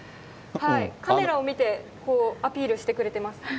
カメラを見て、アピールしてくれてます。